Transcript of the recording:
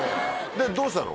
でどうしたの？